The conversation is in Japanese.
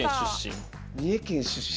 三重県出身。